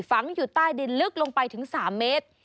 ฝังอยู่ใต้ดินลึกลงไปถึง๓เมตร